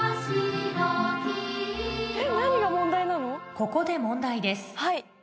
ここで問題ですはい。